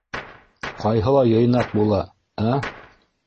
— Ҡайһылай йыйнаҡ була, ә!